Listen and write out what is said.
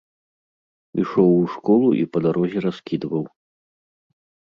Ішоў у школу і па дарозе раскідваў.